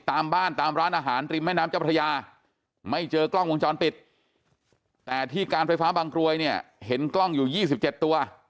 ตามบ้านตามร้านอาหารริมแม่น้ำเจ้าพระยาไม่เจอกล้องวงจรปิดแต่ที่การไฟฟ้าบางกรวยเนี่ยเห็นกล้องอยู่๒๗ตัว